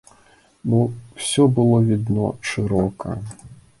Бо ўсё было відно шырока.